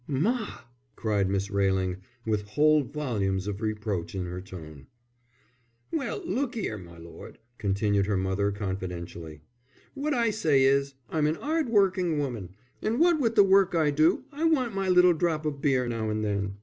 "Ma!" cried Miss Railing, with whole volumes of reproach in her tone. "Well, look 'ere, my lord," continued her mother, confidentially. "What I say is, I'm an 'ard working woman, and what with the work I do, I want my little drop of beer now and then.